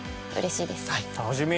楽しみ！